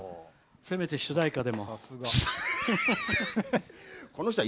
せめて主題歌でも。